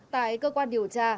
tại cơ quan điều tra